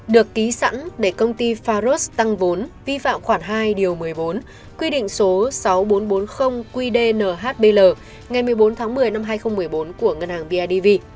được ký sẵn để công ty faros tăng vốn vi phạm khoản hai điều một mươi bốn quy định số sáu nghìn bốn trăm bốn mươi qd nhb ngày một mươi bốn tháng một mươi năm hai nghìn một mươi bốn của ngân hàng bidv